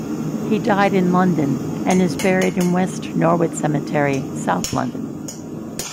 He died in London and is buried in West Norwood Cemetery, South London.